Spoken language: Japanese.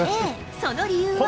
その理由は。